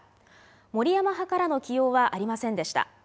森山派からの起用はありませんでした。